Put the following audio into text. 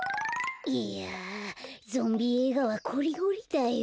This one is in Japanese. いやゾンビえいがはこりごりだよ。